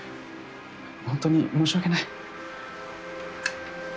本当に申し訳ない。